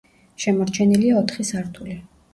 შემორჩენილია ოთხი სართული.